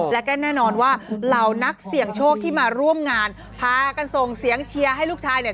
และก็แน่นอนว่าเหล่านักเสี่ยงโชคที่มาร่วมงานพากันส่งเสียงเชียร์ให้ลูกชายเนี่ย